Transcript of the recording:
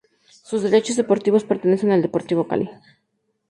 Sus derechos deportivos pertenecen al Deportivo Cali.